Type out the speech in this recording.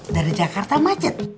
dari jakarta macet